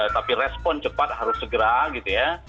tapi respon cepat harus segera gitu ya